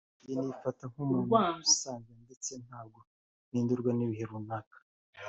njye nifata nk’umuntu usanzwe ndetse ntabwo mpindurwa n’ibihe runaka